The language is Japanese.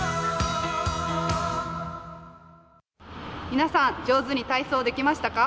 皆さん、上手に体操できましたか？